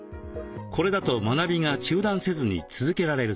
これだと学びが中断せずに続けられるそう。